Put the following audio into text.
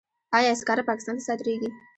آیا سکاره پاکستان ته صادریږي؟